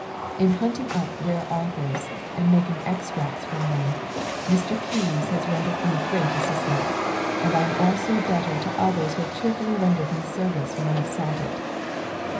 In hunting up rare authors, and making extracts from them, Mr. Keys has rendered me great assistance, and I am also a debtor to others who have cheerfully rendered me service when I have sought it.